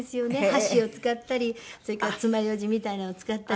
箸を使ったりそれからつまようじみたいなのを使ったり。